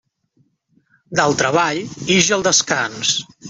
Del treball ix el descans.